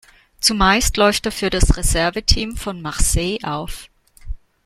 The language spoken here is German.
Zumeist läuft er für das Reserveteam von Marseille auf.